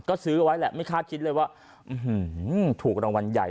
ก็ซื้อไว้แหละไม่คาดคิดเลยว่าถูกรางวัลใหญ่